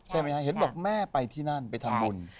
ใช่ไหมฮะเห็นบอกแม่ไปที่นั่นไปทำบุญ